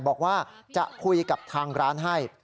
บอกว่าจะคุยกับทางร้านให้